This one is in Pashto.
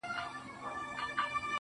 يو چا د سترگو په رپا کي رانه ساه وړې ده~